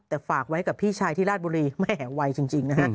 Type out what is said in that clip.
แต่ฝากไว้กับพี่ชายที่ราชบุรีแม่ไวจริงนะฮะ